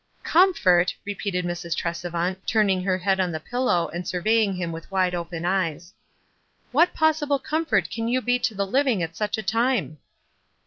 "Comfort!" repeated Mrs. Tresevant, turn ing her head on the pillow, and surveying him with wide open eyes. "What possible comfort can you be to the living at such a time?"